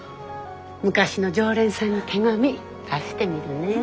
昔の常連さんに手紙出してみるね。